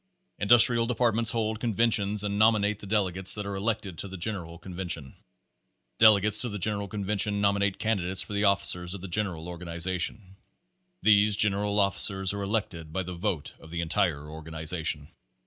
Industrial Departments hold conventions and nom inate the delegates that are elected to the general con vention. Delegates to the general convention nominate candidates for the officers of the general organization. These general officers are elected by the vote of the en tire organization.